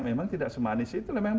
memang tidak semanis itu